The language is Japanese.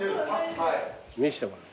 見してもらおう。